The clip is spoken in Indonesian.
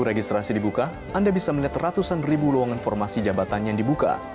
untuk registrasi dibuka anda bisa melihat ratusan beribu luang informasi jabatan yang dibuka